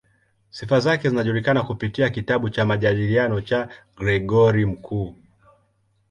Sifa zake zinajulikana kupitia kitabu cha "Majadiliano" cha Gregori Mkuu.